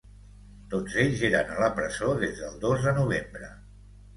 Tots ells eren a la presó des del dos de novembre.